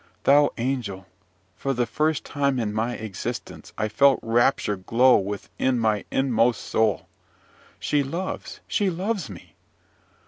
Thou angel! for the first time in my existence, I felt rapture glow within my inmost soul. She loves, she loves me!